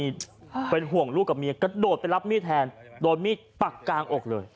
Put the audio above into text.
ดับมีดแทนโดนมีดปักกางอกเลย